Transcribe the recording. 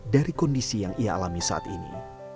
dari kondisi yang ia alami saat ini